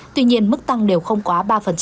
tuy nhiên mức tăng đều không quá ba